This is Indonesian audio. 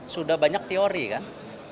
sudah banyak teori kan